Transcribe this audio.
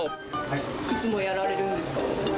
いつもやられるんですか？